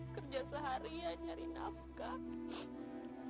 kerja seharian nyari nafkah